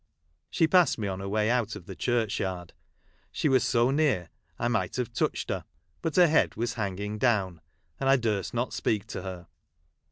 She passed me on her way out of (h, churchyard ; she was so near I might have touched her ; but her head was hiruiging down, and I durst not speak to her.